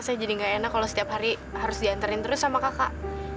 saya jadi gak enak kalau setiap hari harus diantarin terus sama kakak